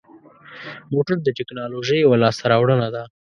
موټر د تکنالوژۍ یوه لاسته راوړنه ده.